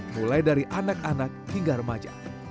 mulai dari anak anak hingga remaja